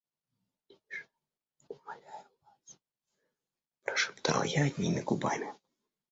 — Тише, умоляю вас, — прошептал я одними губами.